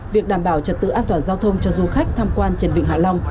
việc đảm bảo trật tự an toàn giao thông cho du khách tham quan trên vịnh hạ long